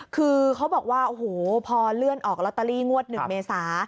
คือเขาบอกว่าโอ้โหพอเลื่อนออกลอตเตอรี่งวด๑เมษา